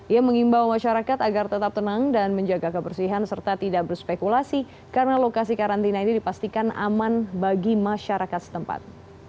ia mengimbau masyarakat agar tetap tenang dan menjaga kebersihan serta tidak berspekulasi karena lokasi karantina ini dipastikan aman bagi masyarakat setempat